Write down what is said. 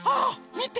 みて！